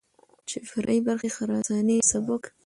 چې فرعي برخې خراساني سبک،